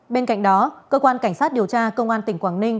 bên cạnh đó cơ quan cảnh sát điều tra công an tỉnh quảng ninh